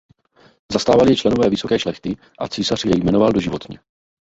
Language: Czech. Zastávali je členové vysoké šlechty a císař je jmenoval doživotně.